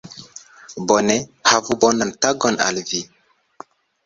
Bone, havu bonan tagon al vi